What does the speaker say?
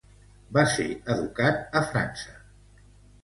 Va ser educat a França.